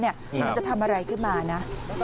มันจะทำอะไรขึ้นมานะ